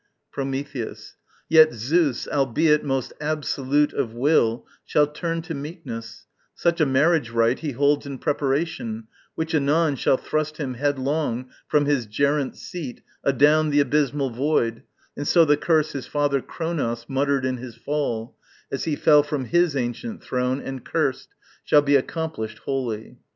Prometheus. Yet Zeus, albeit most absolute of will, Shall turn to meekness, such a marriage rite He holds in preparation, which anon Shall thrust him headlong from his gerent seat Adown the abysmal void, and so the curse His father Chronos muttered in his fall, As he fell from his ancient throne and cursed, Shall be accomplished wholly.